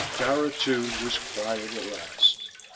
Dara, too, was quiet at last.